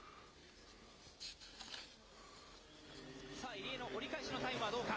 入江の折り返しのタイムはどうか。